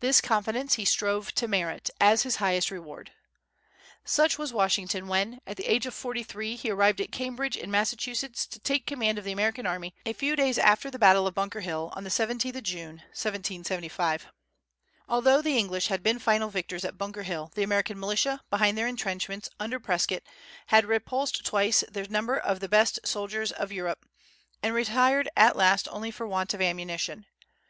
This confidence he strove to merit, as his highest reward. Such was Washington when, at the age of forty three, he arrived at Cambridge in Massachusetts, to take command of the American army, a few days after the battle of Bunker Hill, on the 17th June, 1775. Although the English had been final victors at Bunker Hill, the American militia, behind their intrenchments, under Prescott, had repulsed twice their number of the best soldiers of Europe, and retired at last only for want of ammunition.